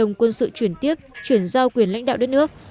giao quyền lãnh đạo đất nước